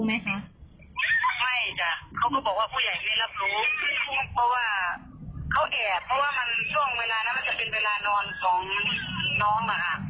เพราะว่าเขาแอบเพราะว่ามันช่วงเวลานั้นมันจะเป็นเวลานอนของน้องมา